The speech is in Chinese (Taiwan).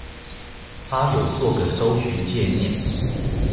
他有做個搜尋介面